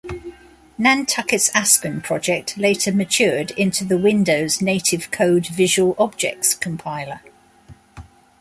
Nantucket's Aspen project later matured into the Windows native-code Visual Objects compiler.